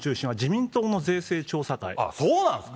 そうなんですか。